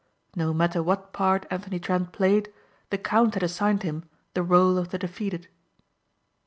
No matter what part Anthony Trent played the count had assigned him the rôle of the defeated.